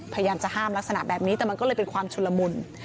พยายามจะห้ามลักษณะแบบนี้แต่มันก็เลยเป็นความชุนละมุน